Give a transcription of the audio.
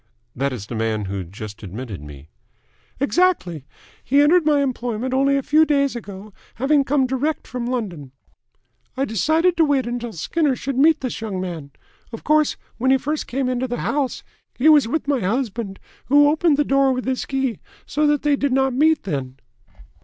"That is the man who just admitted me?" "Exactly. He entered my employment only a few days ago, having come direct from London. I decided to wait until Skinner should meet this young man. Of course, when he first came into the house, he was with my husband, who opened the door with his key, so that they did not meet then."